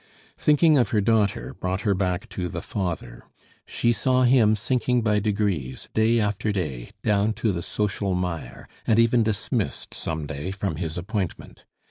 Thinking of her daughter brought her back to the father; she saw him sinking by degrees, day after day, down to the social mire, and even dismissed some day from his appointment.